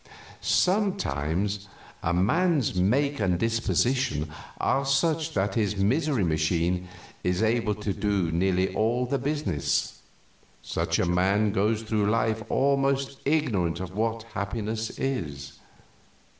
Sometimes a man's make and disposition are such that his misery machine is able to do nearly all the business. Such a man goes through life almost ignorant of what happiness is.